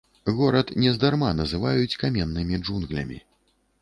Горад нездарма называюць каменнымі джунглямі.